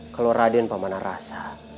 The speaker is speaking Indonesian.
kalau raden pamanarasa